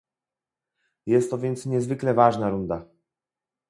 Jest to więc niezwykle ważna runda